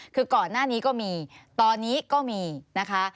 คือก่อนหน้านี้ก็มีตอนนี้ก็มีนะคะ